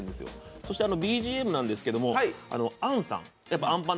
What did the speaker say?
そしてＢＧＭなんですけども、杏さん。